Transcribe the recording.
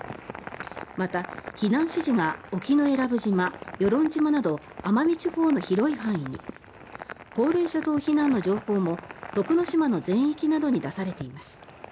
また、避難指示が沖永良部島、与論島など奄美地方の広い範囲に高齢者等避難の情報も徳之島の全域などに出されています。